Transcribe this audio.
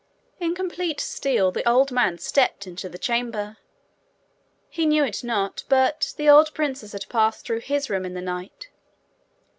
In complete steel the old man stepped into the chamber. He knew it not, but the old princess had passed through his room in the night.